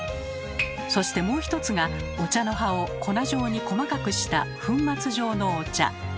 そしてもう一つがお茶の葉を粉状に細かくした粉末状のお茶。